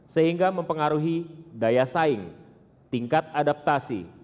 sehingga mempengaruhi daya saing tingkat adaptasi